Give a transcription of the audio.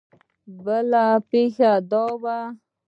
بله پېښه دا وه.